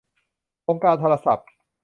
องค์การโทรศัพท์